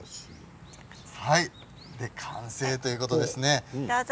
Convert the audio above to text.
完成ということですね。